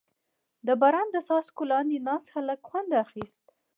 • د باران د څاڅکو لاندې ناست هلک خوند اخیست.